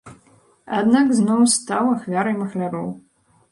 Аднак зноў стаў ахвяраў махляроў.